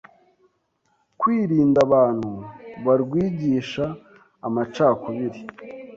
kwirinda abantu barwigisha amacakubiri